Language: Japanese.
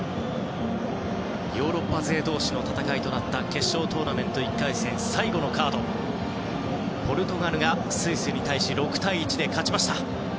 ヨーロッパ勢同士の戦いとなった決勝トーナメント１回戦最後のカードはポルトガルがスイスに対し６対１で勝ちました。